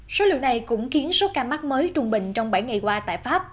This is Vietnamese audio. số liệu này cũng khiến số ca mắc mới trung bình trong bảy ngày qua tại pháp